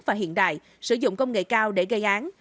và hiện đại sử dụng công nghệ cao để gây án